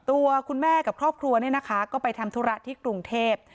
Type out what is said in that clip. ตัวคุณแม่กับครอบครัวเนี่ยนะคะก็ไปทำธุระที่กรุงเทพ